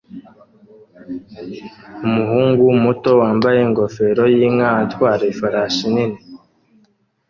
Umuhungu muto wambaye ingofero yinka atwara ifarashi nini